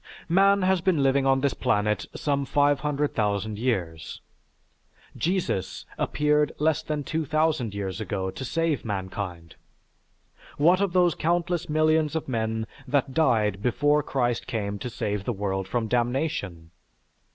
Man has been living on this planet some 500,000 years. Jesus appeared less than 2000 years ago to save mankind. What of those countless millions of men that died before Christ came to save the world from damnation?